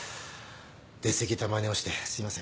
出過ぎたまねをしてすいません。